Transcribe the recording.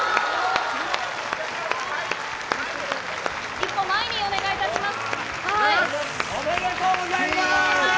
一歩前にお願いします。